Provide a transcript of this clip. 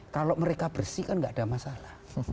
kalau mereka bersih kan nggak ada masalah